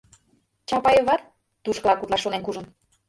Чапаеват тушкылак утлаш шонен куржын.